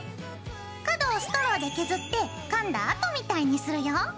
角をストローで削ってかんだ跡みたいにするよ。